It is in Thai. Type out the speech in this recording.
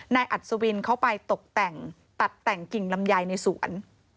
อัศวินเขาไปตกแต่งตัดแต่งกิ่งลำไยในสวน